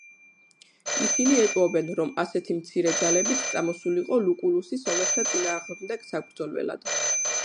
ისინი ეჭვობენ, რომ ასეთი მცირე ძალებით წამოსულიყო ლუკულუსი სომეხთა წინააღმდეგ საბრძოლველად.